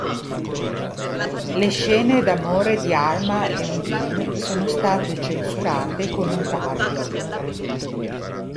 Le scene d'amore di Alma e Undine sono state censurate con un taglio.